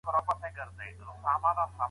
يو محصل په کمپيوټر کي انلاين سبق اخلي.